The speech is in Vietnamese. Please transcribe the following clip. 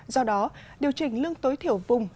do đó điều chỉnh lương tối thiểu vùng